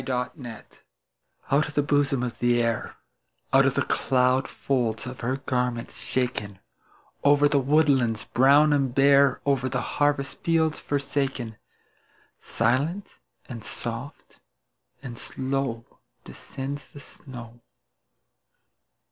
SNOW FLAKES Out of the bosom of the Air, Out of the cloud folds of her garments shaken, Over the woodlands brown and bare, Over the harvest fields forsaken, Silent, and soft, and slow Descends the snow.